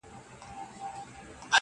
افتخار د پښتنو به قلندر عبدالرحمن وي,